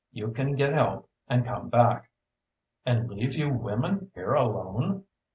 You can get help and come back." "And leave you women here alone?"